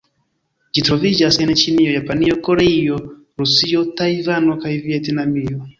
Ĝi troviĝas en Ĉinio, Japanio, Koreio, Rusio, Tajvano kaj Vjetnamio.